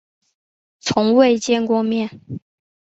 从未见过面